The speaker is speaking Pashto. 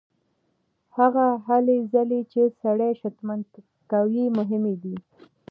هغه هلې ځلې چې سړی شتمن کوي مهمې دي.